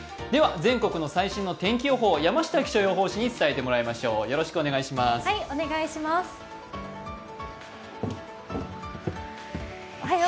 全国の最新の天気予報を山下予報士に伝えていただきましょう。